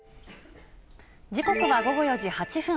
時刻は午後４時８分。